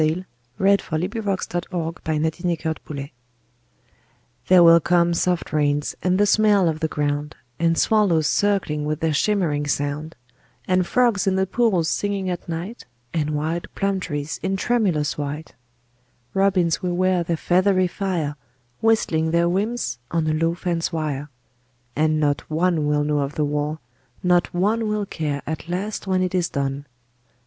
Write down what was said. VIII "There Will Come Soft Rains" (War Time) There will come soft rains and the smell of the ground, And swallows circling with their shimmering sound; And frogs in the pools singing at night, And wild plum trees in tremulous white; Robins will wear their feathery fire Whistling their whims on a low fence wire; And not one will know of the war, not one Will care at last when it is done.